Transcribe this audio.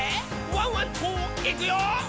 ワンワンといくよ」